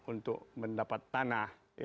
untuk mendapat tanah